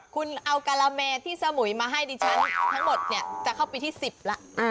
คุณเอาการาแมที่สมุยมาให้ดิฉันทั้งหมดเนี่ยจะเข้าปีที่๑๐แล้ว